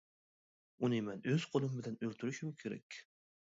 ئۇنى مەن ئۆز قولۇم بىلەن ئۆلتۈرۈشۈم كېرەك.